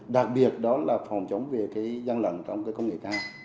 đặc biệt đó là phòng chống về gian lặng trong công nghệ cao